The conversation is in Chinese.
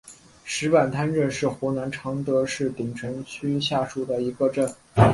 石板滩镇是湖南常德市鼎城区下属的一个镇。